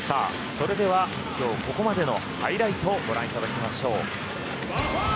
それでは今日ここまでのハイライトをご覧いただきましょう。